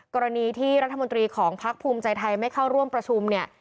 กรณีที่รัฐมนตรีของพักภูมิใจไทยไม่เข้าร่วมประชุมเนี่ย